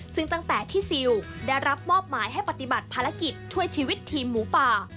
ซึ่งตั้งแต่ที่ซิลได้รับมอบหมายให้ปฏิบัติภารกิจช่วยชีวิตทีมหมูป่า